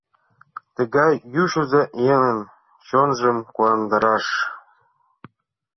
Тыгай ӱчызӧ еҥын чонжым куандараш?